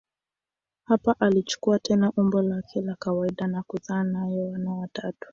Hapa alichukua tena umbo lake la kawaida na kuzaa naye wana watatu.